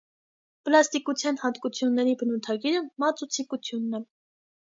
Պլաստիկության հատկությունների բնութագիրը մածուցիկությունն է։